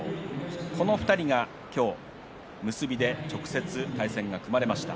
この２人が今日結びで直接対戦が組まれました。